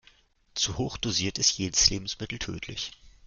Zu hoch dosiert ist jedes Lebensmittel tödlich.